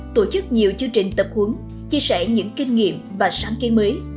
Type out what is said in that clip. tổ chức nhiều chương trình tập huấn chia sẻ những kinh nghiệm và sáng kiến mới